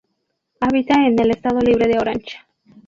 Habita en el Estado Libre de Orange.